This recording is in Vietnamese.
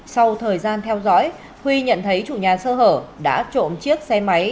sau thời gian theo dõi huy nhận thấy chủ nhà sơ hở đã trộm chiếc xe máy